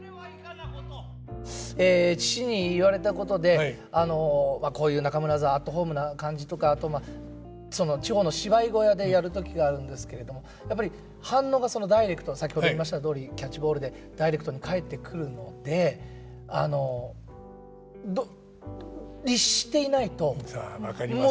父に言われたことでこういう中村座アットホームな感じとかあと地方の芝居小屋でやる時があるんですけれどもやっぱり反応がダイレクト先ほど言いましたとおりキャッチボールでダイレクトに返ってくるのであのああ分かりますね。